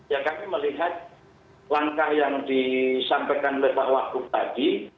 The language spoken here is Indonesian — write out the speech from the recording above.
ya kami melihat langkah yang disampaikan oleh pak wakub tadi